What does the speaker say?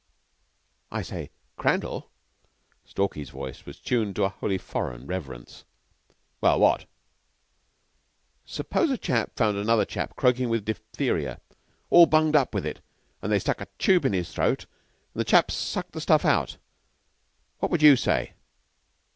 "I say, Crandall" Stalky's voice was tuned to a wholly foreign reverence. "Well, what?" "Suppose a chap found another chap croaking with diphtheria all bunged up with it and they stuck a tube in his throat and the chap sucked the stuff out, what would you say?"